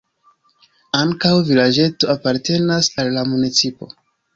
Ankaŭ vilaĝeto apartenas al la municipo.